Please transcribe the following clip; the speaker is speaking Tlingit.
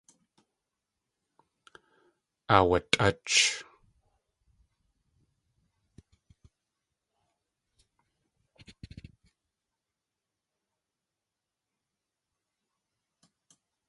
Aawatʼách.